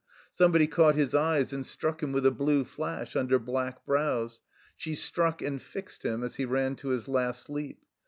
Somebody caught his eyes and struck him with a blue flash under black brows. She struck and fixed him as he ran to his last leap.